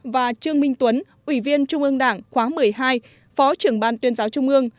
và trương minh tuấn ủy viên trung ương đảng khóa một mươi hai phó trưởng ban tuyên giáo trung ương